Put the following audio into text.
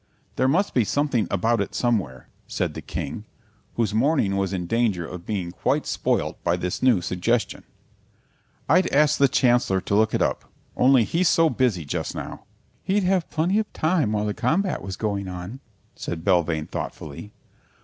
"There must be something about it somewhere," said the King, whose morning was in danger of being quite spoilt by this new suggestion; "I'd ask the Chancellor to look it up, only he's so busy just now." "He'd have plenty of time while the combat was going on," said Belvane thoughtfully.